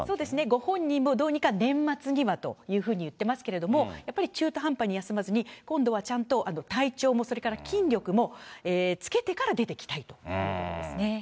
ご本人もどうにか年末にはというふうに言ってますけれども、やっぱり中途半端に休まずに、今度はちゃんと体調も、それから筋力もつけてから出てきたいということですね。